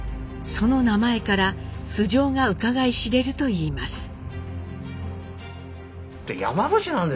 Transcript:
その名前から素性がうかがい知れるといいます。